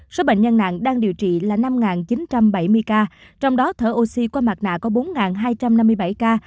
số bệnh nhân nặng đang điều trị là năm chín trăm bảy mươi ca trong đó thở oxy qua mặt nạ có bốn hai trăm năm mươi bảy ca